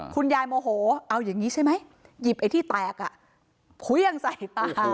คุณยายโมโหเอาอย่างงี้ใช่ไหมหยิบไอ้ที่แตกผู้ยังใส่ตา